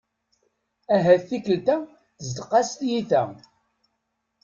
Ahat tikelt-a tezdeq-as tyita.